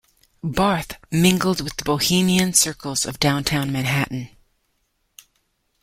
Barthé mingled with the bohemian circles of downtown Manhattan.